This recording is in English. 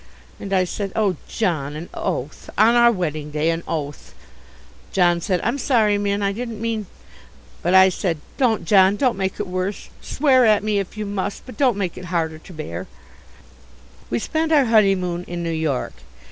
And I said, "Oh, John, an oath! on our wedding day, an oath!" John said, "I'm sorry, Minn, I didn't mean " but I said, "Don't, John, don't make it worse. Swear at me if you must, but don't make it harder to bear." We spent our honeymoon in New York.